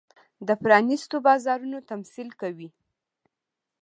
د پرانېستو بازارونو تمثیل کوي.